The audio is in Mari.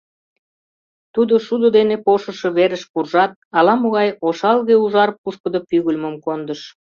Тудо шудо дене пошышо верыш куржат, ала-могай ошалге-ужар пушкыдо пӱгыльмым кондыш.